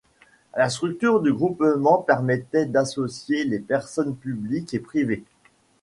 La structure du groupement permettait d'associer des personnes publiques et privées.